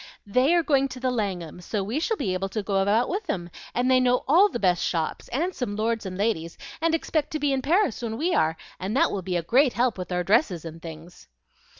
"They are going to the Langham; so we shall be able to go about with them, and they know all the best shops, and some lords and ladies, and expect to be in Paris when we are, and that will be a great help with our dresses and things."